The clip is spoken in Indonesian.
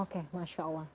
oke masya allah